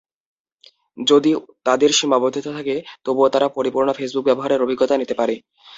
যদি তাদের সীমাবদ্ধতা থাকে তবুও তারা পরিপূর্ণ ফেসবুক ব্যবহারের অভিজ্ঞতা নিতে পারে।